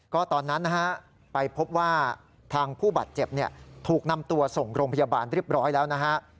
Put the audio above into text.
ก็ตอนนั้นนะฮะไปพบว่าทางผู้บาดเจ็บถูกนำตัวส่งโรงพยาบาลเรียบร้อยแล้วนะฮะ